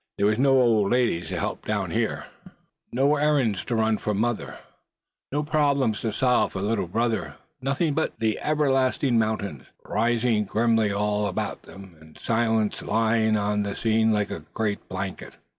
There were no old ladies to help down here; no errands to run for mother; no problems to solve for little brother; nothing but the everlasting mountains rising grimly all about them, and silence lying on the scene like a great blanket.